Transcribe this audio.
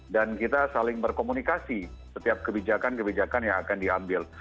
dan kita saling berkomunikasi setiap kebijakan kebijakan yang akan diambil